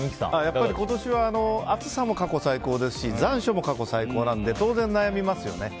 やっぱり今年は暑さも過去最高ですし残暑も過去最高なので当然悩みますよね。